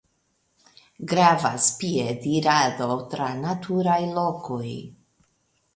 Gravas piedirado tra naturaj lokoj.